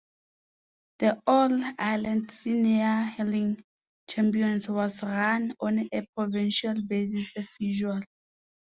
The All-Ireland Senior Hurling Championship was run on a provincial basis as usual.